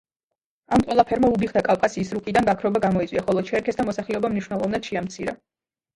ამ ყველაფერმა უბიხთა კავკასიის რუკიდან გაქრობა გამოიწვია, ხოლო ჩერქეზთა მოსახლეობა მნიშვნელოვნად შეამცირა.